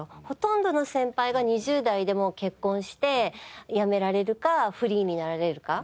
ほとんどの先輩が２０代で結婚して辞められるかフリーになられるか。